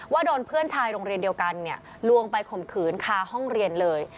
ว่าโดนเพื่อนชายโรงเรียนเดียวกันเนี่ยลวงไปข่มขืนคาห้องเรียนเลย